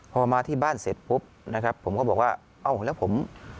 พอมาที่บ้านเสร็จปุ๊บนะครับผมก็บอกว่าเอ้าแล้วผม